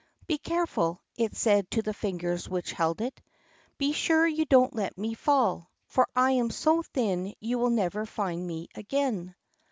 "Be careful," it said to the fingers which held it. "Be sure you don't let me fall, for I am so thin you will never find me again."